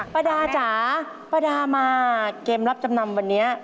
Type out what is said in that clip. ป้าดาจ๋าป้าดามาเกมรับจำนำวันนี้